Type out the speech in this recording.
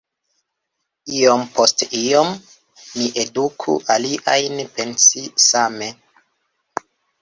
Iom post iom, ni eduku aliajn pensi same.”